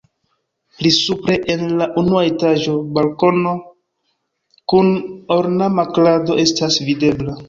Pli supre en la unua etaĝo balkono kun ornama krado estas videbla.